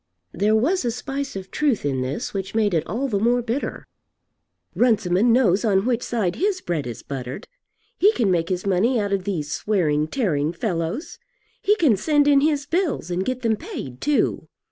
There was a spice of truth in this which made it all the more bitter. "Runciman knows on which side his bread is buttered. He can make his money out of these swearing tearing fellows. He can send in his bills, and get them paid too.